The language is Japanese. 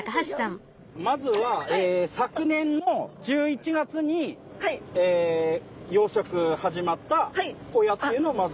まずは昨年の１１月に養殖始まったホヤというのをまず。